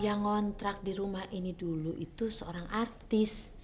yang ngontrak di rumah ini dulu itu seorang artis